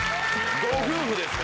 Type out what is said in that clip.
ご夫婦ですか。